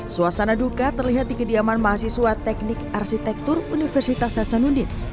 suasana duka terlihat di kediaman mahasiswa teknik arsitektur universitas hasanuddin